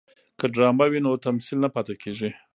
که ډرامه وي نو تمثیل نه پاتې کیږي.